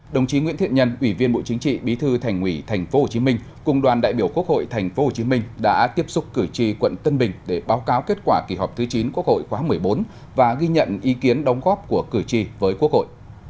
đồng chí nguyễn thiện nhân ủy viên bộ chính trị bí thư thành ủy tp hcm cùng đoàn đại biểu quốc hội tp hcm đã tiếp xúc cử tri quận tân bình để báo cáo kết quả kỳ họp thứ chín quốc hội khóa một mươi bốn và ghi nhận ý kiến đóng góp của cử tri với quốc hội